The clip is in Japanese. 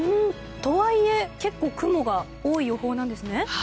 とはいえ結構、雲が多い予報なんですね。